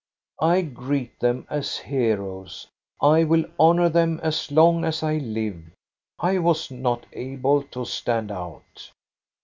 I greet them as heroes. I will honor them as long as I live. I was not able to stand out."